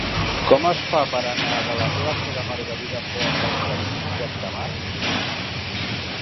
Com es fa per anar de la plaça de Margarida Fort als jardins de Miramar?